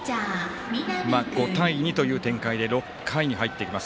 ５対２という展開で６回に入っています。